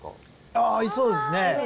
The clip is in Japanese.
ああ、合いそうですね。